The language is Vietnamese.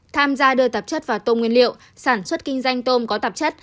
tham gia đưa tạp chất vào tôm nguyên liệu sản xuất kinh doanh tôm có tạp chất